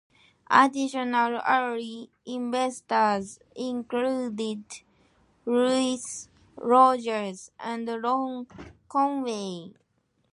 Additional early investors included Louise Rogers and Ron Conway.